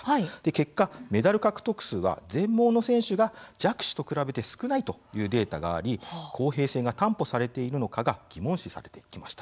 結果、メダル獲得数は全盲の選手が弱視のと比べて少ないというデータがあって公平性が担保されているのかというのが疑問視されていました。